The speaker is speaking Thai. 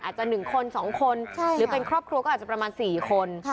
อาจจะ๑คน๒คนหรือเป็นครอบครัวก็อาจจะประมาณ๔คน